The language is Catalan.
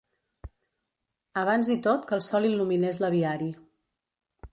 Abans i tot que el sol il·luminés l'aviari.